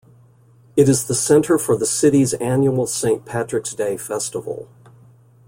It is the center for the city's annual Saint Patrick's Day Festival.